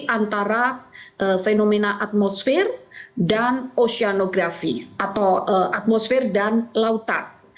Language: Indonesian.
antara fenomena atmosfer dan oceanografi atau atmosfer dan lautan